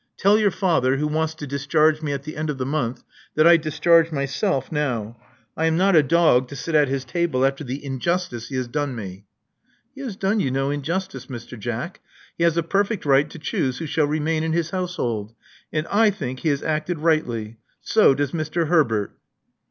Tell your father, who wants to dis charge me at the end of the month, that I discharge myself now. I am not a dog, to sit at his table after the injustice he has done me." He has done you no injustice, Mr. Jack. He has a perfect right to choose who shall remain in his house hold. And I think he has acted rightly. So does Mr. Herbert."